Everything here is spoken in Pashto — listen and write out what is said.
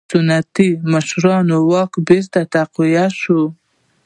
سنتي مشرانو واک بېرته تقویه شو.